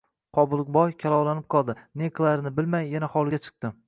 Qobilboy kalovlanib qoldi, ne qilarini bilmay yana hovliga chiqdi